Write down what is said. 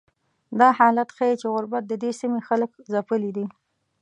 دا حالت ښیي چې غربت ددې سیمې خلک ځپلي دي.